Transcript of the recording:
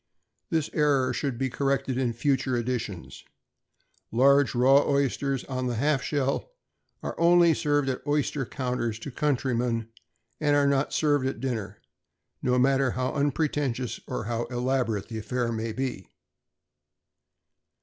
This error should be corrected in future editions. Large raw oysters on the half shell are only served at oyster counters to countrymen, and are not served at a dinner, no matter how unpretentious or how elaborate the affair may be.